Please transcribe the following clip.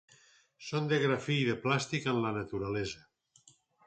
Són de gra fi i de plàstic en la naturalesa.